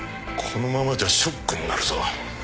このままじゃショックになるぞ。